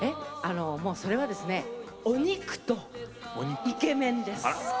それは、お肉とイケメンです。